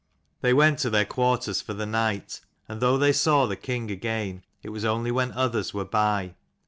They went to their quarters for the night, and though they saw the king again it was only when others were by.